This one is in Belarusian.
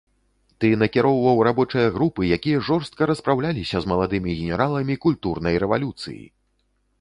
Ты накіроўваў рабочыя групы, якія жорстка распраўляліся з маладымі генераламі культурнай рэвалюцыі!